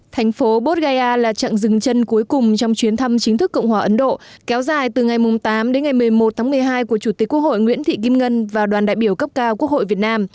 thành phố botguaya là trận dừng chân cuối cùng trong chuyến thăm chính thức cộng hòa ấn độ kéo dài từ ngày tám đến ngày một mươi một tháng một mươi hai của chủ tịch quốc hội nguyễn thị kim ngân và đoàn đại biểu cấp cao quốc hội việt nam